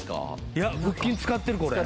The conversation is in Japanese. いや腹筋使ってるこれ。